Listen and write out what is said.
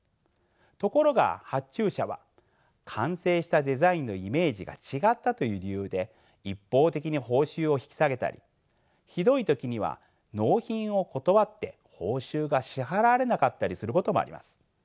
ところが発注者は完成したデザインのイメージが違ったという理由で一方的に報酬を引き下げたりひどい時には納品を断って報酬が支払われなかったりすることもあります。